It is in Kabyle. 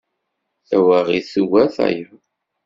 Tawaɣit tugar tayeḍ.